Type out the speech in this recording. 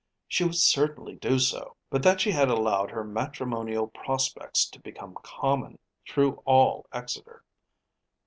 She would certainly do so, but that she had allowed her matrimonial prospects to become common through all Exeter.